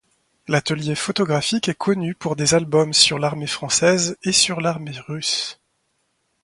L'atelier photographique est connu pour des albums sur l'armée française et sur l'armée russe.